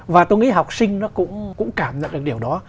và tôi nghĩ học sinh nó cũng cảm nhận được điều đó